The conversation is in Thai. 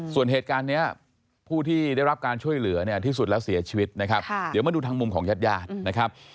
ส่วนเหตุการณ์นี้ผู้ที่ได้รับการช่วยเหลือเนี่ยที่สุดแล้วเสียชีวิตนะครับเดี๋ยวมาดูทางมุมของญาติญาตินะครับ